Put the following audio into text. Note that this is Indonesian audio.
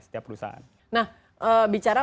setiap perusahaan nah bicara